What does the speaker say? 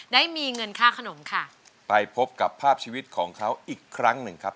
ได้มีเงินค่าขนมค่ะไปพบกับภาพชีวิตของเขาอีกครั้งหนึ่งครับ